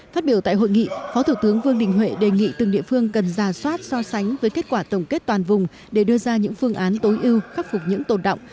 phát biểu tại hội nghị phó thủ tướng vương đình huệ đề nghị từng địa phương cần ra soát so sánh với kết quả tổng kết toàn vùng để đưa ra những phương án tối ưu khắc phục những tồn động